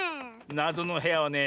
なぞのへやはね